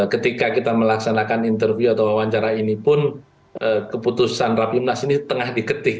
ketika kita melaksanakan interview atau wawancara ini pun keputusan rapimnas ini tengah diketik